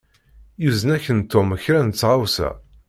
Yuzen-ak-n Tom kra n tɣawsa.